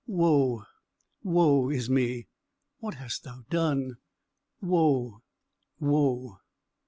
Woe, woe is me! what hast thou done? woe, woe!"